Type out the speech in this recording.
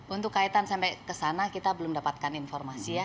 untuk kaitan sampai ke sana kita belum dapatkan informasi ya